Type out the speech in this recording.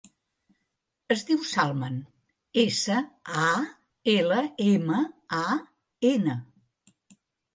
Es diu Salman: essa, a, ela, ema, a, ena.